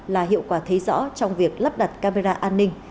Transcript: là hiệu quả thấy rõ trong việc lắp đặt camera an ninh